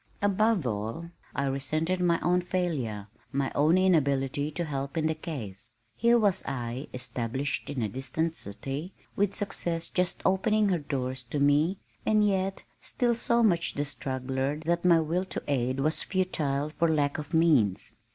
Above all, I resented my own failure, my own inability to help in the case. Here was I, established in a distant city, with success just opening her doors to me, and yet still so much the struggler that my will to aid was futile for lack of means.